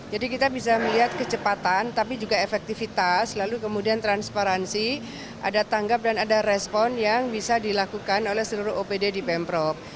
jadi kita bisa melihat kecepatan tapi juga efektifitas lalu kemudian transparansi ada tanggap dan ada respon yang bisa dilakukan oleh seluruh opd di pemprov